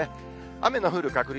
雨の降る確率。